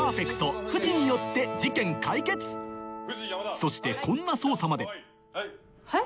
そしてこんな捜査まではい。